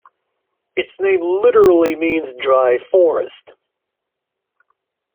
Its name literally means "dry forest".